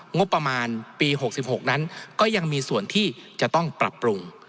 งบประมาณปี๖๖นั้นก็ยังมีส่วนที่จะต้องปรับปรุง